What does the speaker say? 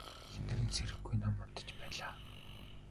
Эхнэр нь сэрэхгүй нам унтаж байлаа.